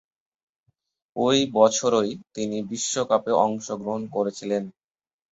ঐ বছরই তিনি বিশ্বকাপে অংশগ্রহণ করেছিলেন।